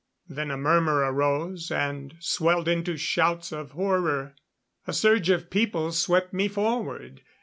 Then a murmur arose, and swelled into shouts of horror. A surge of people swept me forward.